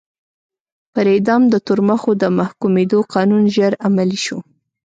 پر اعدام د تورمخو د محکومېدو قانون ژر عملي شو.